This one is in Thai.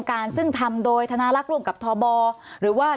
สวัสดีครับทุกคน